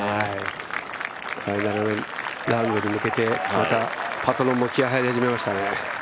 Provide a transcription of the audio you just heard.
ファイナルラウンドに向けてまたパトロンを気合いが入り始めましたね。